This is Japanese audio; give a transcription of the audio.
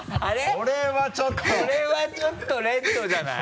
これはちょっとレッドじゃない？